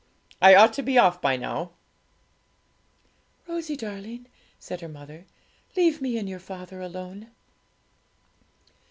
I ought to be off by now.' 'Rosalie darling,' said her mother, 'leave me and your father alone.'